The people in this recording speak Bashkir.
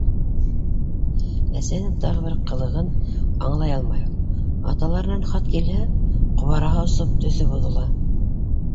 Әсәһенең тағы бер ҡылығын аңлай алмай ул: аталарынан хат килһә, ҡобараһы осоп, төҫө боҙола.